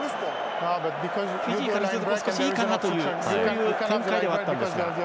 フィジーからするともう少し、いいかなというそういう展開ではあったんですが。